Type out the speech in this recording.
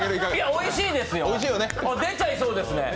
おいしいですよ、出ちゃいそうですね。